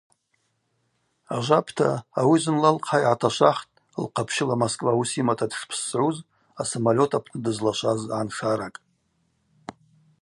Ажвапӏта, ауи зынла лхъа йгӏаташвахтӏ лхъапщыла Москва уыс йымата дшпссгӏуз асамолет апны дызлашваз гӏаншаракӏ.